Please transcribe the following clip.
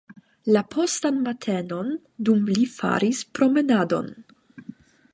La postan matenon, dum li faris promenadon.